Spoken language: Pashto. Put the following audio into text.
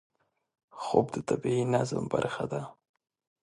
خوب د طبیعي نظم برخه ده